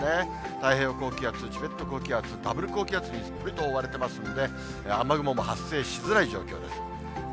太平洋高気圧、チベット高気圧、ダブル高気圧にすっぽりと覆われていますので、雨雲も発生しづらい状況です。